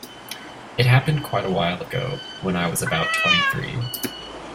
It happened quite a while ago, when I was about twenty-three.